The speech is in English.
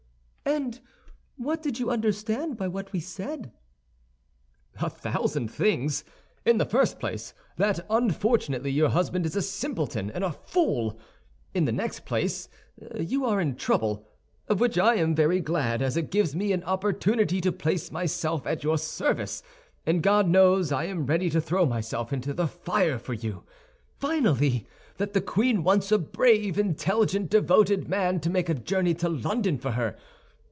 "And what did you understand by what we said?" "A thousand things. In the first place, that, unfortunately, your husband is a simpleton and a fool; in the next place, you are in trouble, of which I am very glad, as it gives me an opportunity of placing myself at your service, and God knows I am ready to throw myself into the fire for you; finally, that the queen wants a brave, intelligent, devoted man to make a journey to London for her.